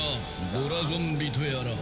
ドラゾンビとやら。